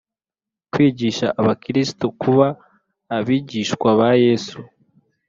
kwigisha abakristo kuba abigishwa ba yesu,